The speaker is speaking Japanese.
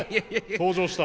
登場した！